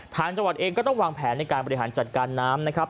ทางจังหวัดเองก็ต้องวางแผนในการบริหารจัดการน้ำนะครับ